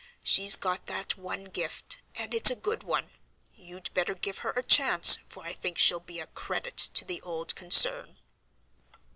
She's got that one gift, and it's a good one. You'd better give her a chance, for I think she'll be a credit to the old concern."